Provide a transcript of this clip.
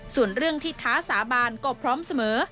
ส่วนเรื่องที่ท้าสาบานก็พร้อมเสมอ